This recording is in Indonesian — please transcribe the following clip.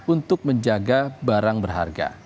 untuk menjaga barang berharga